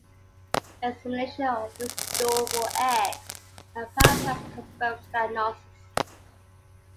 Examination of the stool for eggs and parasites confirms the diagnosis.